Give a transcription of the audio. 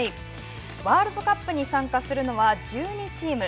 ワールドカップに参加するのは１２チーム。